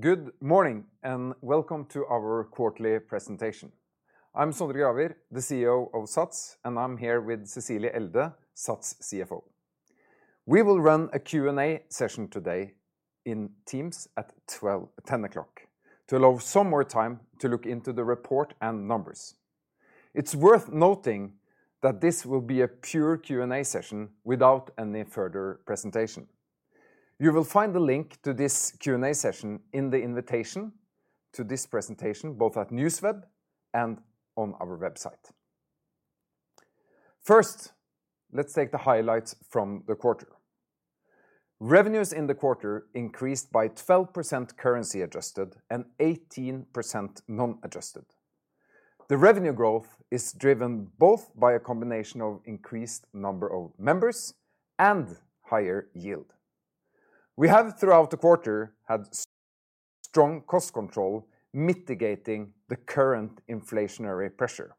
Good morning, and welcome to our quarterly presentation. I'm Sondre Gravir, the CEO of SATS, and I'm here with Cecilie Elde, SATS CFO. We will run a Q&A session today in Teams at 12, 10 o'clock, to allow some more time to look into the report and numbers. It's worth noting that this will be a pure Q&A session without any further presentation. You will find the link to this Q&A session in the invitation to this presentation, both at NewsWeb and on our website. First, let's take the highlights from the quarter. Revenues in the quarter increased by 12% currency adjusted and 18% non-adjusted. The revenue growth is driven both by a combination of increased number of members and higher yield. We have, throughout the quarter, had strong cost control, mitigating the current inflationary pressure.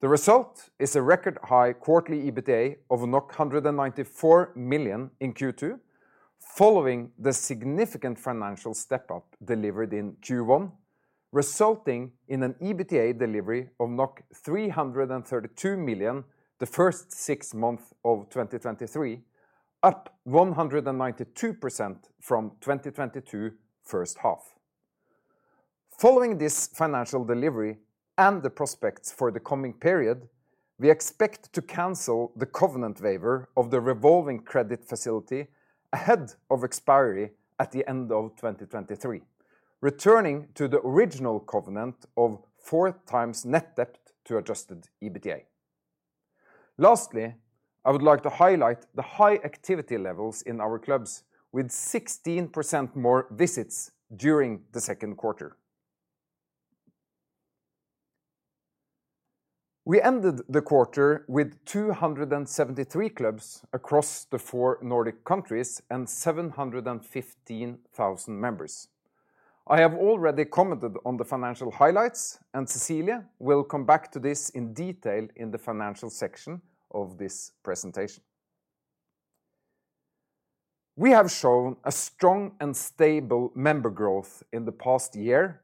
The result is a record high quarterly EBITDA of 194 million in Q2, following the significant financial step-up delivered in Q1, resulting in an EBITDA delivery of 332 million, the first six months of 2023, up 192% from 2022 first half. Following this financial delivery and the prospects for the coming period, we expect to cancel the covenant waiver of the revolving credit facility ahead of expiry at the end of 2023, returning to the original covenant of four times net debt to adjusted EBITDA. Lastly, I would like to highlight the high activity levels in our clubs, with 16% more visits during the second quarter. We ended the quarter with 273 clubs across the four Nordic countries and 715,000 members. I have already commented on the financial highlights, and Cecilie will come back to this in detail in the financial section of this presentation. We have shown a strong and stable member growth in the past year,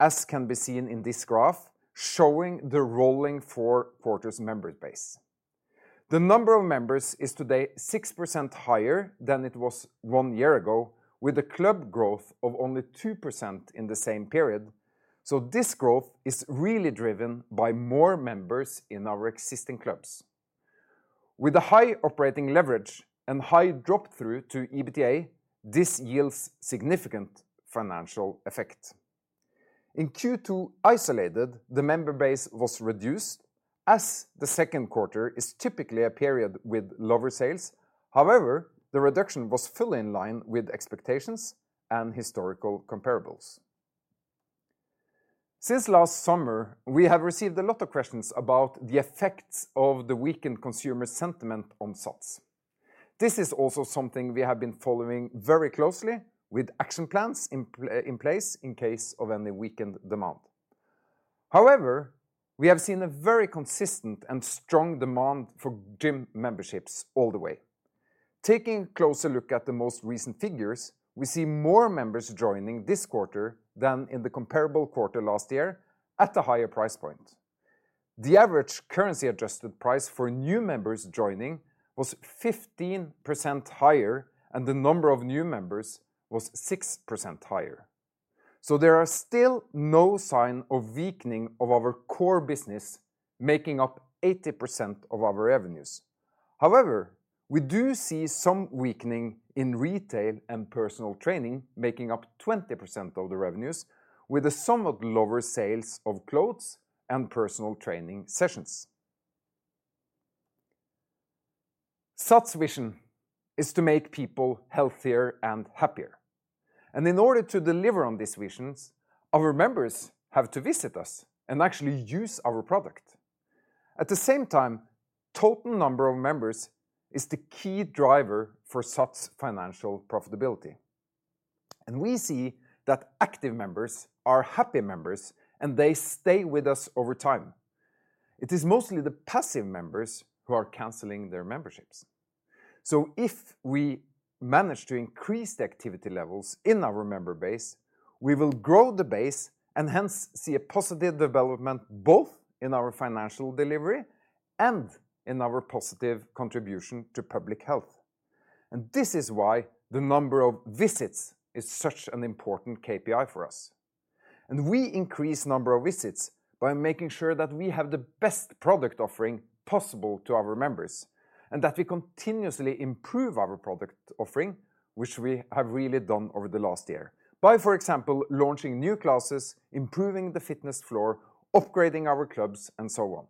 as can be seen in this graph showing the rolling four quarters member base. The number of members is today 6% higher than it was one year ago, with a club growth of only 2% in the same period, so this growth is really driven by more members in our existing clubs. With a high operating leverage and high drop-through to EBITDA, this yields significant financial effect. In Q2, isolated, the member base was reduced, as the second quarter is typically a period with lower sales. However, the reduction was fully in line with expectations and historical comparables. Since last summer, we have received a lot of questions about the effects of the weakened consumer sentiment on SATS. This is also something we have been following very closely with action plans in place in case of any weakened demand. However, we have seen a very consistent and strong demand for gym memberships all the way. Taking a closer look at the most recent figures, we see more members joining this quarter than in the comparable quarter last year at a higher price point. The average currency-adjusted price for new members joining was 15% higher, and the number of new members was 6% higher. So there are still no sign of weakening of our core business, making up 80% of our revenues. However, we do see some weakening in retail and personal training, making up 20% of the revenues, with a somewhat lower sales of clothes and personal training sessions. SATS vision is to make people healthier and happier, and in order to deliver on these visions, our members have to visit us and actually use our product. At the same time, total number of members is the key driver for SATS' financial profitability, and we see that active members are happy members, and they stay with us over time. It is mostly the passive members who are canceling their memberships. So if we manage to increase the activity levels in our member base, we will grow the base and hence see a positive development, both in our financial delivery and in our positive contribution to public health. This is why the number of visits is such an important KPI for us. We increase number of visits by making sure that we have the best product offering possible to our members and that we continuously improve our product offering, which we have really done over the last year, by, for example, launching new classes, improving the fitness floor, upgrading our clubs, and so on.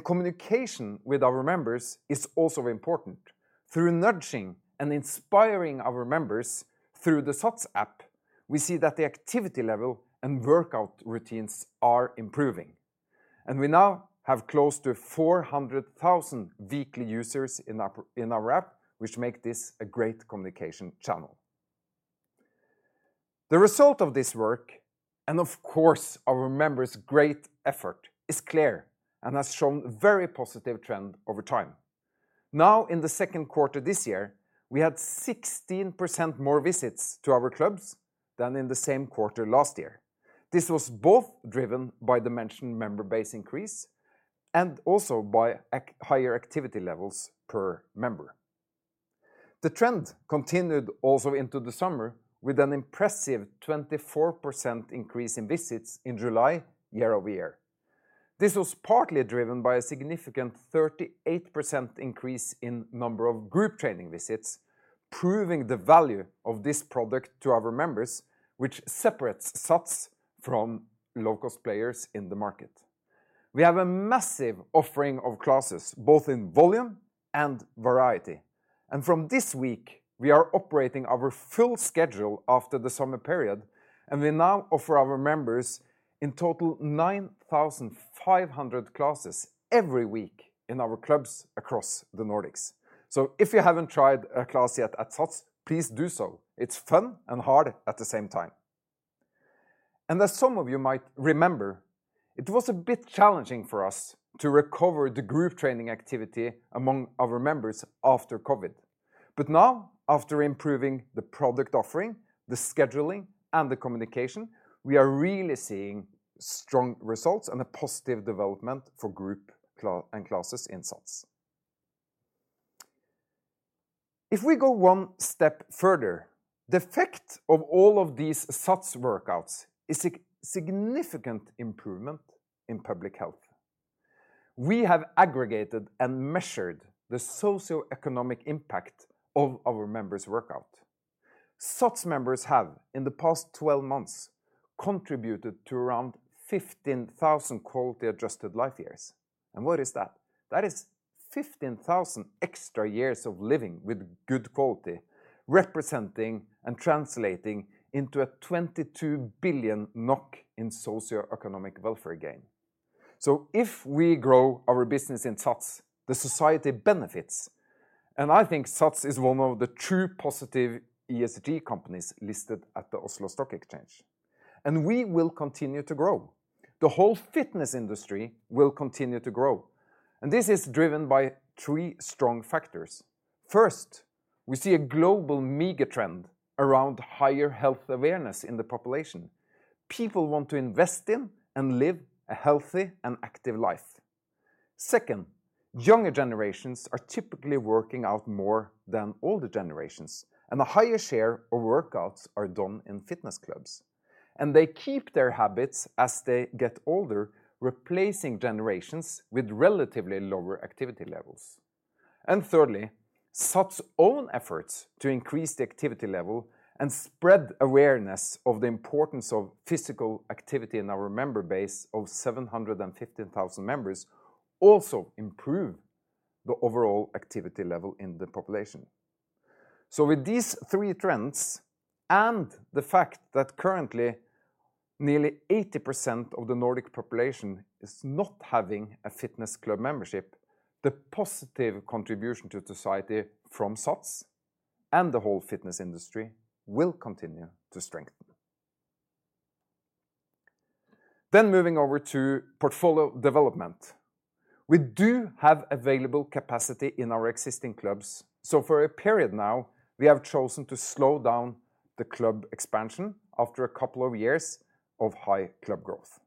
Communication with our members is also important. Through nurturing and inspiring our members through the SATS app, we see that the activity level and workout routines are improving, and we now have close to 400,000 weekly users in our app, which make this a great communication channel. The result of this work, and of course, our members' great effort, is clear and has shown very positive trend over time. Now, in the second quarter this year, we had 16% more visits to our clubs than in the same quarter last year. This was both driven by the mentioned member base increase and also by higher activity levels per member. The trend continued also into the summer, with an impressive 24% increase in visits in July, year-over-year. This was partly driven by a significant 38% increase in number of group training visits, proving the value of this product to our members, which separates SATS from low-cost players in the market. We have a massive offering of classes, both in volume and variety, and from this week, we are operating our full schedule after the summer period, and we now offer our members in total 9,500 classes every week in our clubs across the Nordics. So if you haven't tried a class yet at SATS, please do so. It's fun and hard at the same time. And as some of you might remember, it was a bit challenging for us to recover the group training activity among our members after COVID. But now, after improving the product offering, the scheduling, and the communication, we are really seeing strong results and a positive development for group classes in SATS. If we go one step further, the effect of all of these SATS workouts is a significant improvement in public health. We have aggregated and measured the socioeconomic impact of our members' workout. SATS members have, in the past 12 months, contributed to around 15,000 quality-adjusted life years. And what is that? That is 15,000 extra years of living with good quality, representing and translating into 22 billion NOK in socioeconomic welfare gain. So if we grow our business in SATS, the society benefits, and I think SATS is one of the true positive ESG companies listed at the Oslo Stock Exchange, and we will continue to grow. The whole fitness industry will continue to grow, and this is driven by three strong factors. First, we see a global mega trend around higher health awareness in the population. People want to invest in and live a healthy and active life. Second, younger generations are typically working out more than older generations, and a higher share of workouts are done in fitness clubs, and they keep their habits as they get older, replacing generations with relatively lower activity levels. Thirdly, SATS' own efforts to increase the activity level and spread awareness of the importance of physical activity in our member base of 715,000 members also improve the overall activity level in the population. With these three trends, and the fact that currently nearly 80% of the Nordic population is not having a fitness club membership, the positive contribution to society from SATS and the whole fitness industry will continue to strengthen. Moving over to portfolio development. We do have available capacity in our existing clubs, so for a period now, we have chosen to slow down the club expansion after a couple of years of high club growth.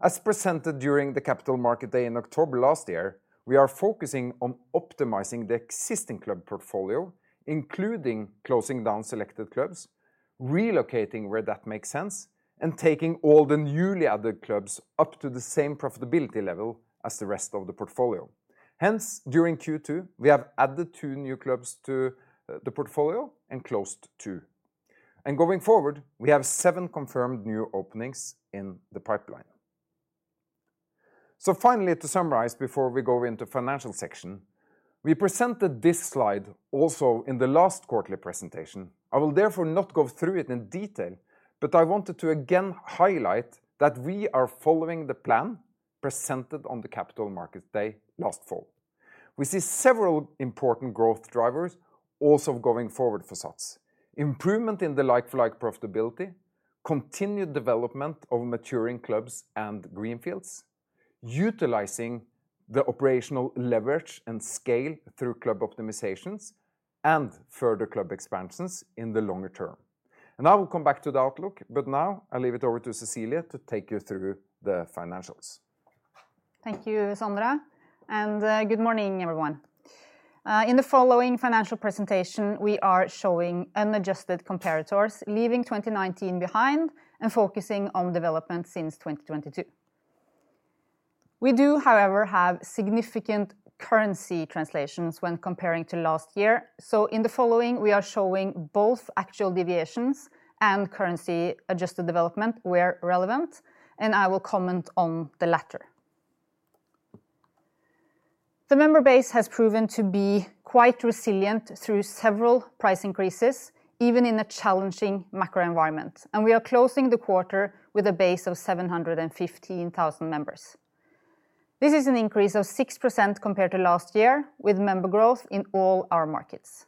As presented during the Capital Markets Day in October last year, we are focusing on optimizing the existing club portfolio, including closing down selected clubs, relocating where that makes sense, and taking all the newly added clubs up to the same profitability level as the rest of the portfolio. Hence, during Q2, we have added two new clubs to the portfolio and closed two. Going forward, we have seven confirmed new openings in the pipeline. Finally, to summarize, before we go into financial section, we presented this slide also in the last quarterly presentation. I will therefore not go through it in detail, but I wanted to again highlight that we are following the plan presented on the Capital Markets Day last fall. We see several important growth drivers also going forward for SATS. Improvement in the like-for-like profitability, continued development of maturing clubs and greenfields, utilizing the operational leverage and scale through club optimizations and further club expansions in the longer term. I will come back to the outlook, but now I leave it over to Cecilie to take you through the financials. Thank you, Sondre, and good morning, everyone. In the following financial presentation, we are showing unadjusted comparators, leaving 2019 behind and focusing on development since 2022. We do, however, have significant currency translations when comparing to last year, so in the following, we are showing both actual deviations and currency-adjusted development where relevant, and I will comment on the latter. The member base has proven to be quite resilient through several price increases, even in a challenging macro environment, and we are closing the quarter with a base of 715,000 members. This is an increase of 6% compared to last year, with member growth in all our markets.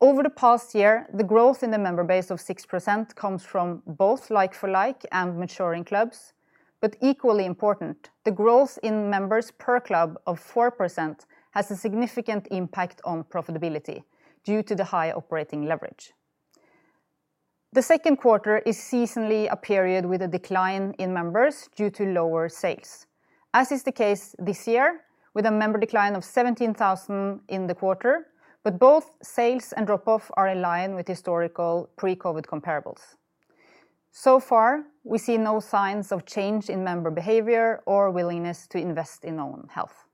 Over the past year, the growth in the member base of 6% comes from both like-for-like and maturing clubs. But equally important, the growth in members per club of 4% has a significant impact on profitability due to the high operating leverage. The second quarter is seasonally a period with a decline in members due to lower sales, as is the case this year, with a member decline of 17,000 in the quarter, but both sales and drop-off are in line with historical pre-COVID comparables. So far, we see no signs of change in member behavior or willingness to invest in own health.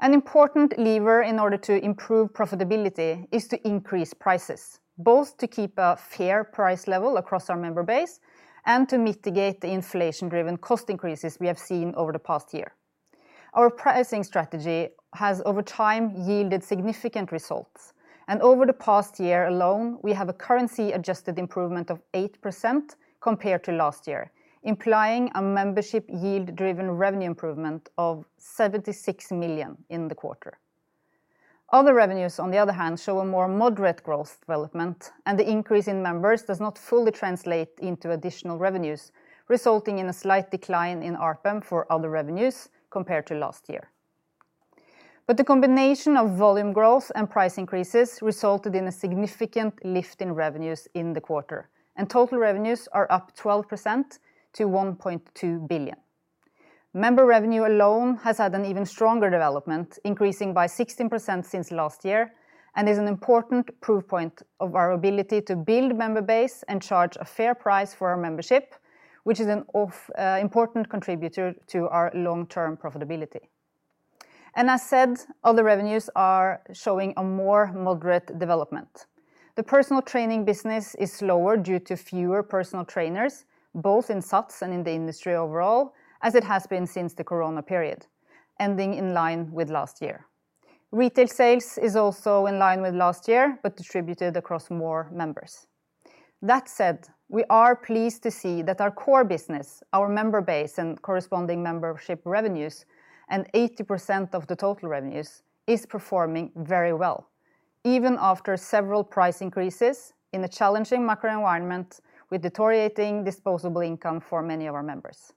An important lever in order to improve profitability is to increase prices, both to keep a fair price level across our member base and to mitigate the inflation-driven cost increases we have seen over the past year. Our pricing strategy has, over time, yielded significant results, and over the past year alone, we have a currency-adjusted improvement of 8% compared to last year, implying a membership yield-driven revenue improvement of 76 million in the quarter. Other revenues, on the other hand, show a more moderate growth development, and the increase in members does not fully translate into additional revenues, resulting in a slight decline in ARPM for other revenues compared to last year. But the combination of volume growth and price increases resulted in a significant lift in revenues in the quarter, and total revenues are up 12% to 1.2 billion. Member revenue alone has had an even stronger development, increasing by 16% since last year, and is an important proof point of our ability to build member base and charge a fair price for our membership, which is an of, important contributor to our long-term profitability. As said, other revenues are showing a more moderate development. The personal training business is slower due to fewer personal trainers, both in SATS and in the industry overall, as it has been since the Corona period, ending in line with last year. Retail sales is also in line with last year, but distributed across more members. That said, we are pleased to see that our core business, our member base, and corresponding membership revenues, and 80% of the total revenues, is performing very well, even after several price increases in a challenging macro environment with deteriorating disposable income for many of our members.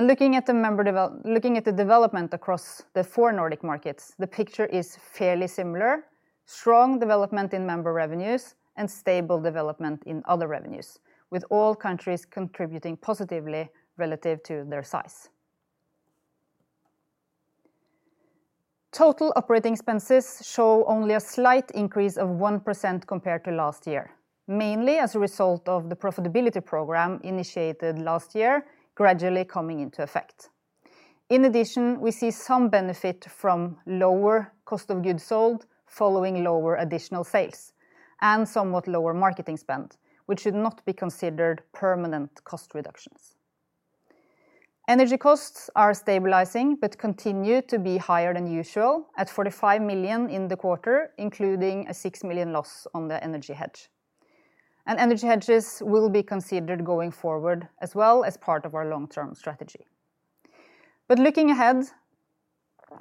Looking at the development across the four Nordic markets, the picture is fairly similar: strong development in member revenues and stable development in other revenues, with all countries contributing positively relative to their size. Total operating expenses show only a slight increase of 1% compared to last year, mainly as a result of the profitability program initiated last year, gradually coming into effect. In addition, we see some benefit from lower cost of goods sold, following lower additional sales and somewhat lower marketing spend, which should not be considered permanent cost reductions. Energy costs are stabilizing, but continue to be higher than usual at 45 million in the quarter, including a six million loss on the energy hedge. Energy hedges will be considered going forward as well as part of our long-term strategy. Looking ahead,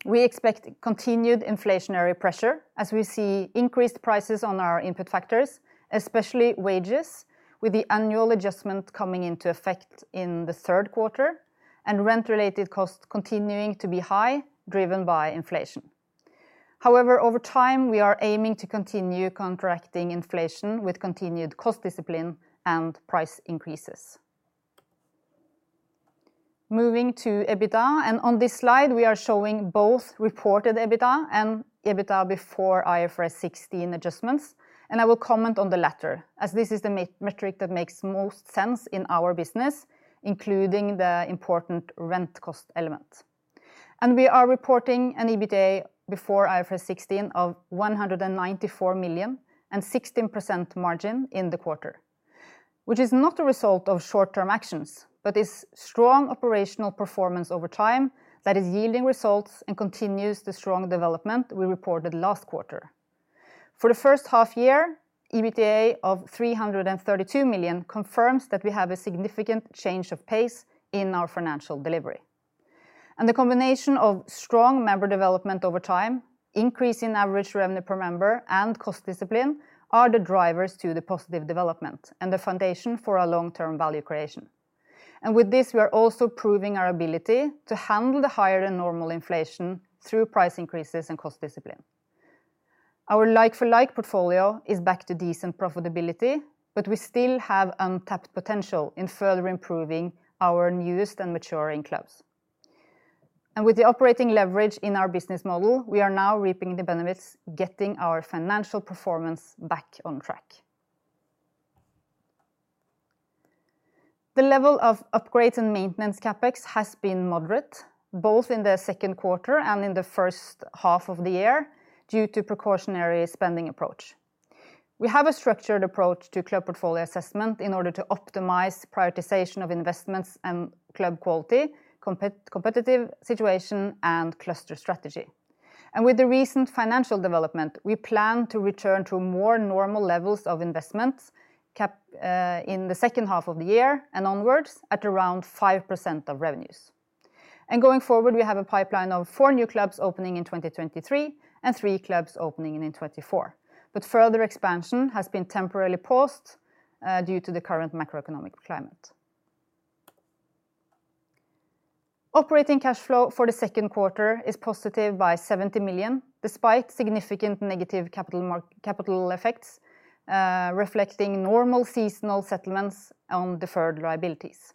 we expect continued inflationary pressure as we see increased prices on our input factors, especially wages, with the annual adjustment coming into effect in the third quarter and rent-related costs continuing to be high, driven by inflation. However, over time, we are aiming to continue contracting inflation with continued cost discipline and price increases. Moving to EBITDA, and on this slide, we are showing both reported EBITDA and EBITDA before IFRS 16 adjustments, and I will comment on the latter, as this is the metric that makes most sense in our business, including the important rent cost element. And we are reporting an EBITDA before IFRS 16 of 194 million and 16% margin in the quarter, which is not a result of short-term actions, but is strong operational performance over time that is yielding results and continues the strong development we reported last quarter. For the first half year, EBITDA of 332 million confirms that we have a significant change of pace in our financial delivery. The combination of strong member development over time, increase in average revenue per member, and cost discipline are the drivers to the positive development and the foundation for our long-term value creation. With this, we are also proving our ability to handle the higher than normal inflation through price increases and cost discipline. Our like-for-like portfolio is back to decent profitability, but we still have untapped potential in further improving our newest and maturing clubs. With the operating leverage in our business model, we are now reaping the benefits, getting our financial performance back on track. The level of upgrades and maintenance CapEx has been moderate, both in the second quarter and in the first half of the year, due to precautionary spending approach. We have a structured approach to club portfolio assessment in order to optimize prioritization of investments and club quality, competitive situation, and cluster strategy. With the recent financial development, we plan to return to more normal levels of investments in the second half of the year and onwards at around 5% of revenues. And going forward, we have a pipeline of four new clubs opening in 2023 and three clubs opening in 2024. But further expansion has been temporarily paused due to the current macroeconomic climate. Operating cash flow for the second quarter is positive by 70 million, despite significant negative capital effects, reflecting normal seasonal settlements on deferred liabilities.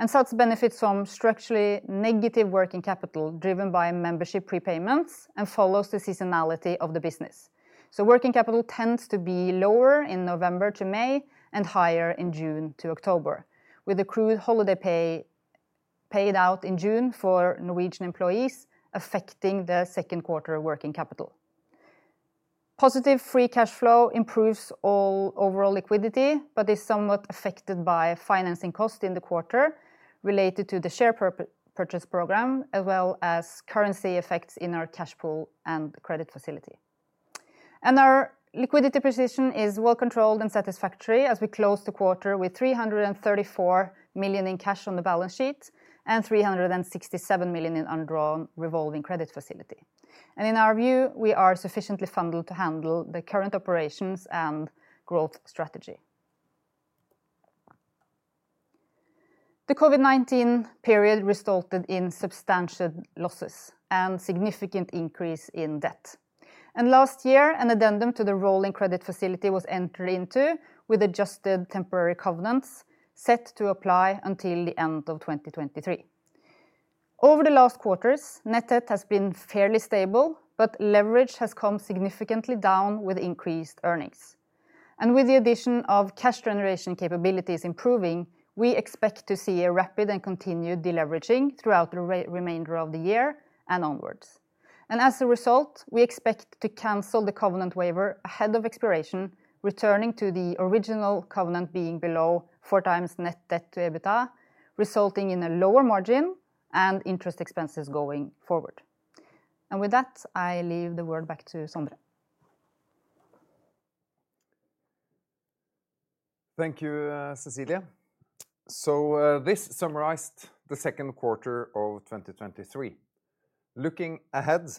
And such benefits from structurally negative working capital, driven by membership prepayments and follows the seasonality of the business. So working capital tends to be lower in November to May and higher in June to October, with accrued holiday pay paid out in June for Norwegian employees, affecting the second quarter working capital. Positive free cash flow improves all overall liquidity, but is somewhat affected by financing costs in the quarter related to the share purchase program, as well as currency effects in our cash pool and credit facility. Our liquidity position is well controlled and satisfactory as we close the quarter with 334 million in cash on the balance sheet and 367 million in undrawn revolving credit facility. And in our view, we are sufficiently funded to handle the current operations and growth strategy. The COVID-19 period resulted in substantial losses and significant increase in debt. Last year, an addendum to the revolving credit facility was entered into, with adjusted temporary covenants set to apply until the end of 2023. Over the last quarters, net debt has been fairly stable, but leverage has come significantly down with increased earnings. With the addition of cash generation capabilities improving, we expect to see a rapid and continued deleveraging throughout the remainder of the year and onwards. As a result, we expect to cancel the covenant waiver ahead of expiration, returning to the original covenant being below four times net debt to EBITDA, resulting in a lower margin and interest expenses going forward. With that, I leave the word back to Sondre. Thank you, Cecilie. This summarized the second quarter of 2023. Looking ahead,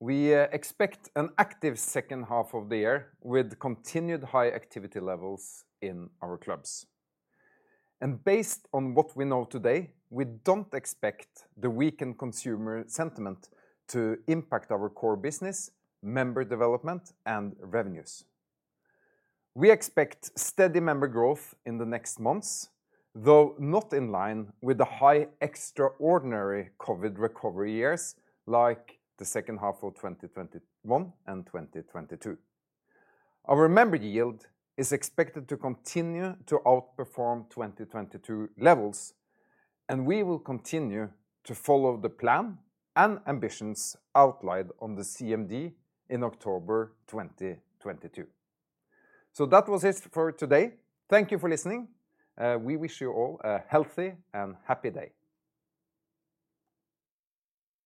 we expect an active second half of the year with continued high activity levels in our clubs. Based on what we know today, we don't expect the weakened consumer sentiment to impact our core business, member development, and revenues. We expect steady member growth in the next months, though not in line with the high extraordinary COVID recovery years, like the second half of 2021 and 2022. Our member yield is expected to continue to outperform 2022 levels, and we will continue to follow the plan and ambitions outlined on the CMD in October 2022. That was it for today. Thank you for listening. We wish you all a healthy and happy day!